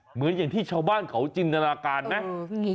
เหมือนอย่างที่ชาวบ้านเขาจินตนาการไหม